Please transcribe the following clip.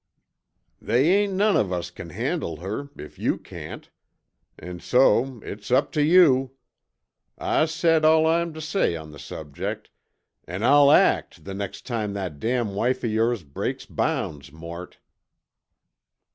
"They ain't none of us can handle her, if you can't, an' so it's up tuh you. I said all I aim tuh say on the subject, an' I'll act the next time that damn wife of yores breaks bounds, Mort!"